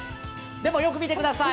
でもよく見てください。